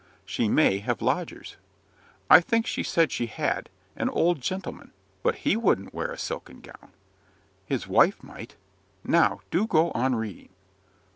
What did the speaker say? "She may have lodgers." "I think she said she had an old gentleman but HE wouldn't wear a silken gown." "His wife might. Now, do go on reading."